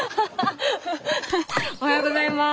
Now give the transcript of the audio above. おはようございます。